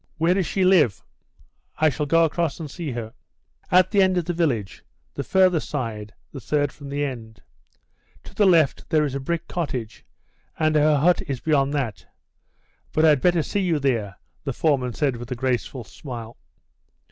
"Where does she live? I shall go across and see her." "At the end of the village; the further side, the third from the end. To the left there is a brick cottage, and her hut is beyond that. But I'd better see you there," the foreman said with a graceful smile.